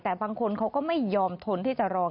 แต่บางคนเขาก็ไม่ยอมทนที่จะรอง